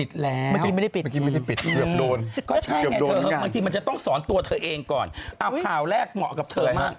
ตัดผมสั้นเลย